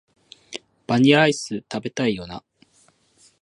バニラアイス、食べたいよな